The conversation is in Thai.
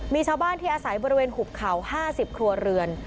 มีชาวบ้านที่อาศัยบริเวณหุบเขา๕๐ครัวเรือน